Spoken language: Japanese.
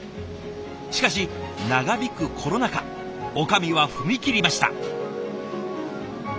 しかし長引くコロナ禍女将は踏み切りました。